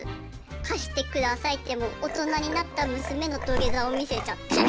貸してくださいって大人になった娘の土下座を見せちゃって。